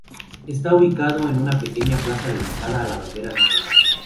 Está ubicado en una pequeña Plaza dedicada a la Bandera Nacional.